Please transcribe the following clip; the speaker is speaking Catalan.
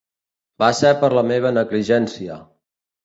Va ser per la meva negligència.